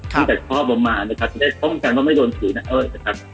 ตั้งแต่ข้อประมาณนะครับจะได้ช่องกันว่าไม่โดนถือนะครับ